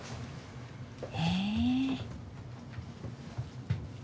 へえ。